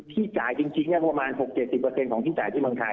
ทุกวันนี้ก็ที่จ่ายจริงประมาณ๖๐๗๐ของที่จ่ายที่เมืองไทย